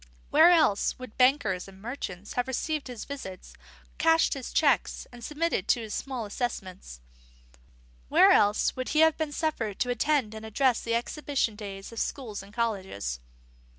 Where else would bankers and merchants have received his visits, cashed his cheques, and submitted to his small assessments? Where else would he have been suffered to attend and address the exhibition days of schools and colleges?